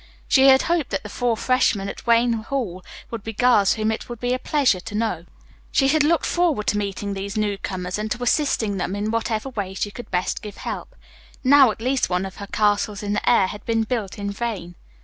She had hoped that the four freshmen at Wayne Hall would be girls whom it would be a pleasure to know. She had looked forward to meeting these newcomers and to assisting them in whatever way she could best give help. Now at least one of her castles in the air had been built in vain.